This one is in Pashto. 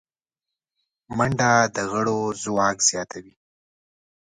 منډه د غړو ځواک زیاتوي